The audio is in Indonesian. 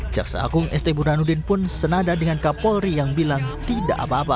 jaksa agung st burhanuddin pun senada dengan kapolri yang bilang tidak apa apa